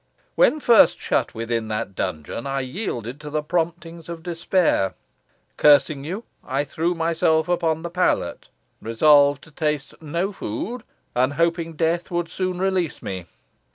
When first shut within that dungeon, I yielded to the promptings of despair. Cursing you, I threw myself upon the pallet, resolved to taste no food, and hoping death would soon release me.